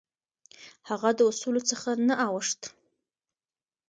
هغه د اصولو څخه نه اوښت.